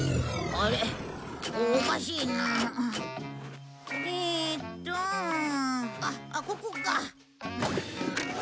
あっここか。